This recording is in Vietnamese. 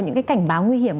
những cái cảnh báo nguy hiểm